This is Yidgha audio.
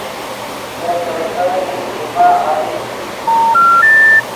دے پئیفر ای ایزمہ اڤیت